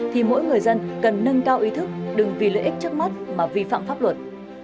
thì mỗi người dân cần nâng cao ý thức đừng vì lợi ích trước mắt mà vi phạm pháp luật